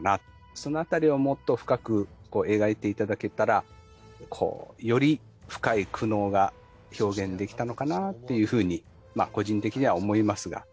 そのあたりをもっと深く描いていただけたらこうより深い苦悩が表現できたのかなっていうふうに個人的には思いますが。